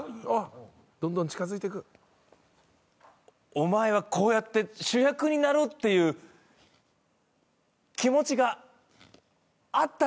お前はこうやって主役になろうっていう気持ちがあったんじゃないか？